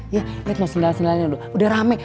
ya lihat no sindang sindangnya udah rame